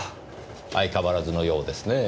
相変わらずのようですねぇ。